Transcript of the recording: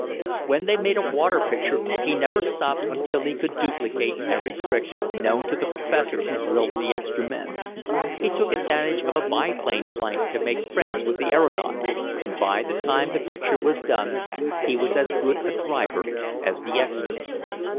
When they made a "water" picture he never stopped until he could duplicate every trick known to the "professor" who drilled the extra men. He took advantage of a biplane flight to make friends with the aeronaut, and by the time the picture was done, he was as good a driver as the expert.